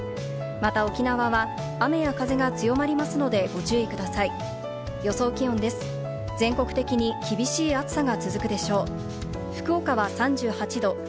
また沖縄は雨や風が強まりますので、ご注意ください。